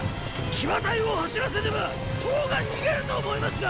騎馬隊を走らせねば騰が逃げると思いますが！